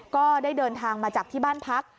ก็ได้เดินทางมาจากที่บ้านพัก